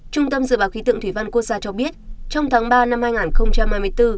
trung tâm dự báo khí tượng thủy văn quốc gia cho biết trong tháng ba năm hai nghìn hai mươi bốn